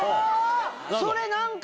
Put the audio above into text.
それ何か。